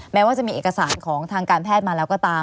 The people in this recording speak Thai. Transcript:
แม้ว่าจะมีเอกสารของทางการแพทย์มาแล้วก็ตาม